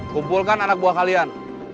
kumpulkan anak buah kalian